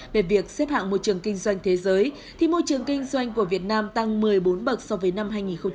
về việc xếp hạng môi trường kinh doanh thế giới thì môi trường kinh doanh của việt nam tăng một mươi bốn bậc so với năm hai nghìn một mươi